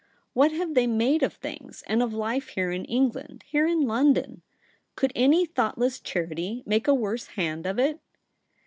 What have they made of things, and of life here in England — here in London ? Could any thoughtless charity make a worse hand of it